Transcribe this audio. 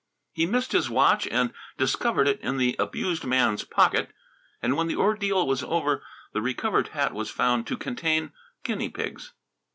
He missed his watch and discovered it in the abused man's pocket. And when the ordeal was over the recovered hat was found to contain guinea pigs.